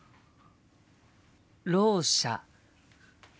ろう者。